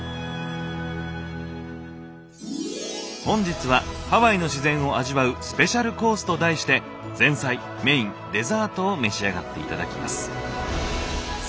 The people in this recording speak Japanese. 本日は「ハワイの自然を味わうスペシャルコース」と題して前菜メインデザートを召し上がって頂きます。